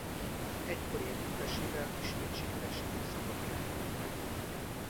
Egykori együttesével ismét sikeres időszakot élhetett meg.